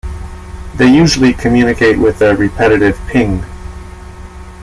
They usually communicate with a repetitive ping!